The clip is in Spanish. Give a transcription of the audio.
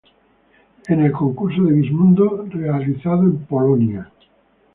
En el concurso de Miss Mundo realizado en Polonia.